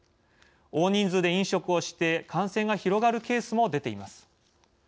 大人数で飲食をして感染が広がるケースも出ています。